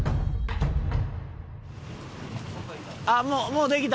もうできた？